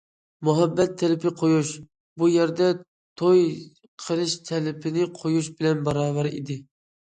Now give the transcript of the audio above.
مۇھەببەت تەلىپى قويۇش بۇ يەردە توي قىلىش تەلىپىنى قويۇش بىلەن باراۋەر ئىدى.